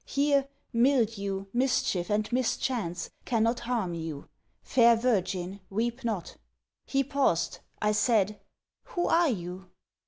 Here, Mildew, Mischief, and Mischance, cannot harm you. Fair virgin weep not!' He paused, I said, 'Who are you?'